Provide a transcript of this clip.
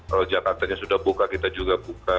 kalau jakartanya sudah buka kita juga buka